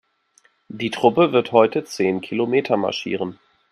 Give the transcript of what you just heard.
Die Truppe wird heute zehn Kilometer marschieren.